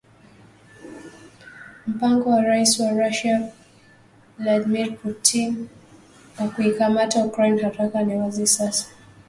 Mpango wa Rais wa Russia Vladmir Putin wa kuikamata Ukraine haraka ni wazi sasa